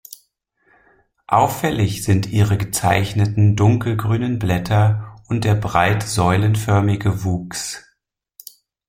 Auffällig sind ihre gezeichneten, dunkelgrünen Blätter und der breit säulenförmige Wuchs.